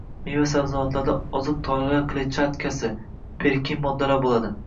Meva-sabzavotlarda oziq tolalar kletchatkasi, pektin moddalar bo‘ladi.